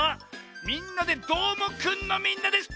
「みんなＤＥどーもくん！」のみんなです！